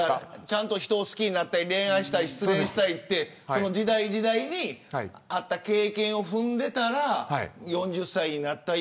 ちゃんと人を好きになったり恋愛したり失恋したり時代時代に合った経験を踏んでたら４０歳になった